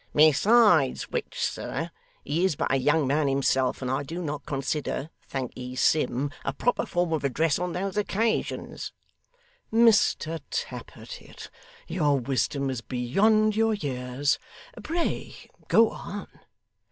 Besides which, sir, he is but a young man himself and I do not consider "thank'ee Sim," a proper form of address on those occasions.' 'Mr Tappertit, your wisdom is beyond your years. Pray go on.